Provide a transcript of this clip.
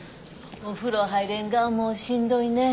お風呂入れんがもうしんどいねえ。